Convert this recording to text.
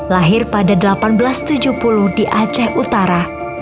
lahir pada seribu delapan ratus tujuh puluh di aceh utara